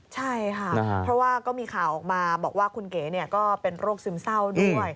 ใช่ค่ะเพราะว่าก็มีข่าวออกมาบอกว่าคุณเก๋ก็เป็นโรคซึมเศร้าด้วย